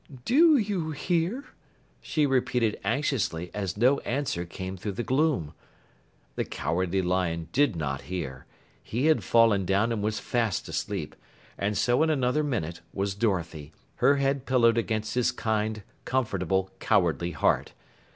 "Do you hear?" she repeated anxiously as no answer came through the gloom. The Cowardly Lion did not hear. He had fallen down and was fast asleep, and so in another minute was Dorothy, her head pillowed against his kind, comfortable, cowardly heart.